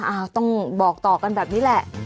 ต้องบอกต่อกันแบบนี้แหละ